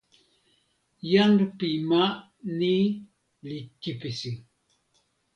jan pi ma ni li kipisi.